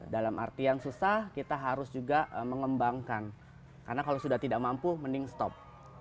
dalam artian susah kita harus juga mengembangkan karena kalau sudah tidak mampu mending stop